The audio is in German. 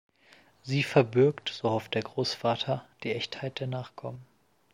Sie verbürgt, so hofft der Großvater, die Echtheit der Nachkommen.